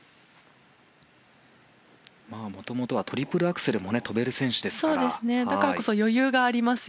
もともとはトリプルアクセルも跳べます。